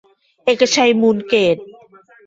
เอกชัย มูลเกษ